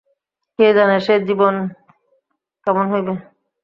কে জানে সে জীবন কেমন হইবে?